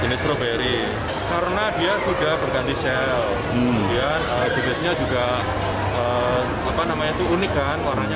jenis strawberry karena dia sudah berganti shell jenisnya juga unik kan warnanya